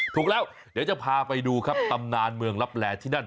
ถูกแล้วเดี๋ยวจะพาไปดูครับตำนานเมืองลับแหล่ที่นั่น